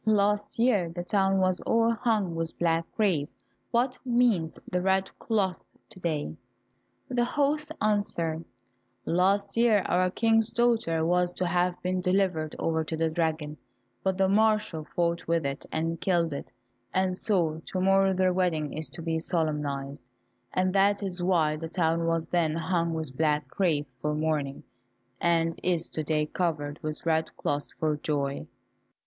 Last year the town was all hung with black crape, what means the red cloth to day?" The host answered, "Last year our King's daughter was to have been delivered over to the dragon, but the marshal fought with it and killed it, and so to morrow their wedding is to be solemnized, and that is why the town was then hung with black crape for mourning, and is to day covered with red cloth for joy?"